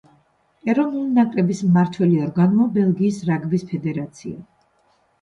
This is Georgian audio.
ეროვნული ნაკრების მმართველი ორგანოა ბელგიის რაგბის ფედერაცია.